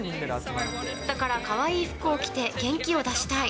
だからかわいい服を着て、元気を出したい。